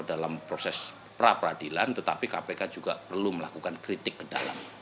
ini adalah proses penyidikan yang sudah dianggap prasadilan tetapi kpk juga perlu melakukan kritik ke dalam